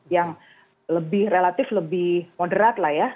yang lebih relatif lebih moderat lah ya